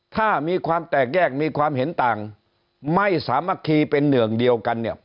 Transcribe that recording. ถ้ามีความแตกแยกมีความเห็นต่างไม่สามารถสามัคคีเป็นเหนื่องเดียวกันเนี่ย